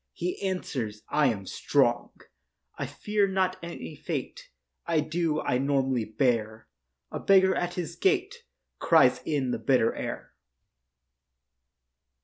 He answers, 'I am strong; I fear not any fate; I do; I nobly bear.' A beggar at his gate Cries in the bitter air.